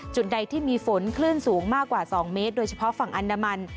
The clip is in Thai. ใดที่มีฝนคลื่นสูงมากกว่า๒เมตรโดยเฉพาะฝั่งอันดามัน